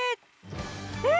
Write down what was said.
え！